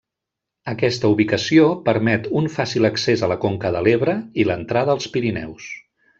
Aquesta ubicació permet un fàcil accés a la conca de l'Ebre i l'entrada als Pirineus.